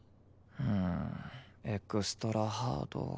んエクストラハード。